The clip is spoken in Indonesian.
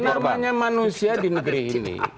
namanya manusia di negeri ini